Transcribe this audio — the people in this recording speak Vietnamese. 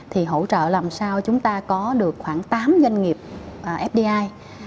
thì hỗ trợ làm sao chúng ta có được khoảng tám doanh nghiệp fdi